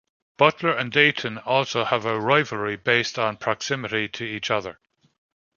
Butler and Dayton also have a rivalry based on proximity to each other.